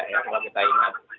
kalau kita ingat